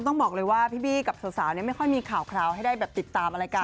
ต้องบอกเลยว่าพี่บี้กับสาวไม่ค่อยมีข่าวคราวให้ได้แบบติดตามอะไรกัน